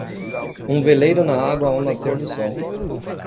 Um veleiro na água ao nascer do sol.